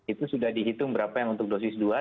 itu sudah dihitung berapa yang untuk dosis dua